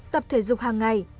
tập thể dục hàng ngày